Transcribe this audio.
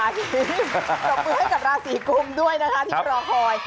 ปรบมือให้กับราศีกุมด้วยนะคะที่รอคอย